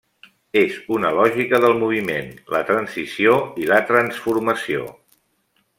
És una lògica del moviment, la transició i la transformació.